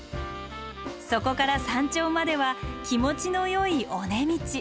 そこから山頂までは気持ちのよい尾根道。